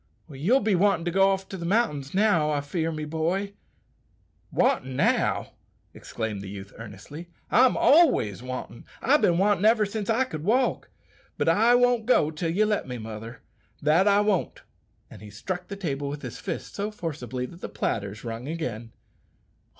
"You'll be wantin' to go off to the mountains now, I fear me, boy." "Wantin' now!" exclaimed the youth earnestly; "I'm always wantin'. I've bin wantin' ever since I could walk; but I won't go till you let me, mother, that I won't!" And he struck the table with his fist so forcibly that the platters rung again.